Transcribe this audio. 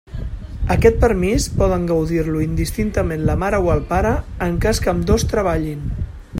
Aquest permís poden gaudir-lo indistintament la mare o el pare en cas que ambdós treballin.